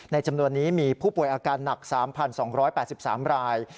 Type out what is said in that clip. จำนวนนี้มีผู้ป่วยอาการหนัก๓๒๘๓ราย